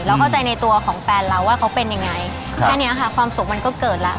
เข้าใจในตัวของแฟนเราว่าเขาเป็นยังไงแค่เนี้ยค่ะความสุขมันก็เกิดแล้ว